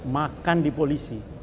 makan di polisi